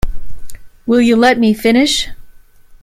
Will you let me finish?